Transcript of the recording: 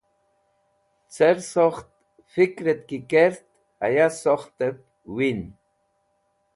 Cẽrsokht fikrẽt ki kert haya sokhtẽb win.